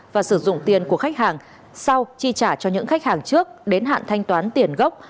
và sử dụng tiền của khách hàng sau chi trả cho những khách hàng trước đến hạn thanh toán tiền gốc